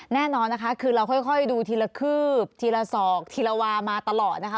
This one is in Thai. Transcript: แน่นอนนะคะคือเราค่อยดูทีละคืบทีละศอกทีละวามาตลอดนะคะ